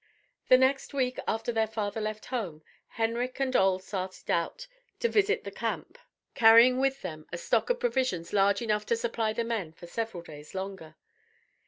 The next week after their father left home, Henrik and Ole started out on a visit to the camp, carrying with them a stock of provisions large enough to supply the men for several days longer.